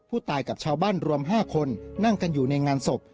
ผู้ตายกับชาวบ้านรวม๕คนนั่งกันอยู่ในงานศพ